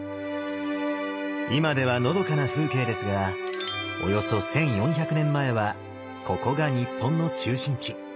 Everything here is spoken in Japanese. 今ではのどかな風景ですがおよそ１，４００年前はここが日本の中心地。